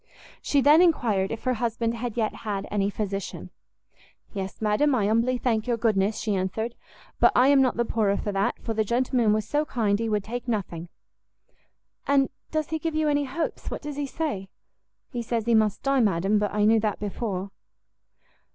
She then enquired if her husband had yet had any physician? "Yes, madam, I humbly thank your goodness," she answered; "but I am not the poorer for that, for the gentleman was so kind he would take nothing." "And does he give you any hopes? what does he say?" "He says he must die, madam, but I knew that before."